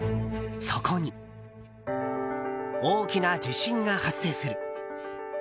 そこに、大きな地震が発生する。